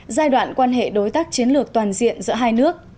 giai đoạn quan hệ đối tác chiến lược toàn diện giữa hai nước